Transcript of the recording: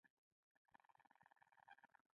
برانشونو له لارې سږو ته رسېږي.